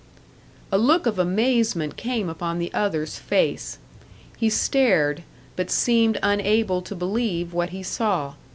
A look of amazement came upon the other's face. He stared, but seemed unable to believe what he saw.